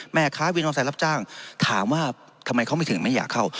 แม่ค้าวินมอเซลรับจ้างถามว่าทำไมเขาไม่ถึงไม่อยากเข้า